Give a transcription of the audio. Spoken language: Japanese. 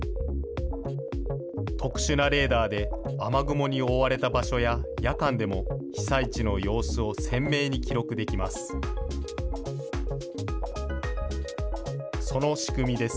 特殊なレーダーで、雨雲に覆われた場所や夜間でも、被災地の様子を鮮明に記録できます。